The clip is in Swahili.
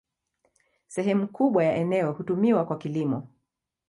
Sehemu kubwa ya eneo hutumiwa kwa kilimo.